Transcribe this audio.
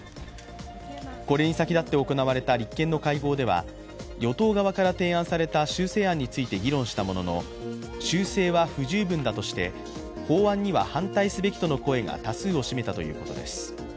これに先立って行われた立憲の会合では与党側から提案された修正案について議論したものの修正は不十分だとして法案には反対すべきとの声が多数を占めたということです。